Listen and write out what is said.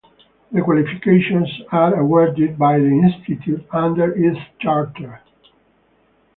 The qualifications are awarded by the institute under its charter.